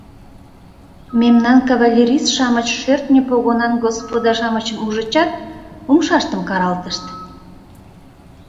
Мемнан кавалерист-шамыч шӧртньӧ погонан «господа-шамычым» ужычат, умшаштым каралтышт.